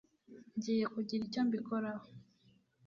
Ngiye kugira icyo mbikoraho.